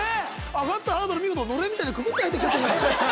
上がったハードルのれんみたいにくぐって入ってきちゃった。